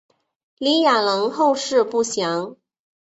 李雅郎后事不详。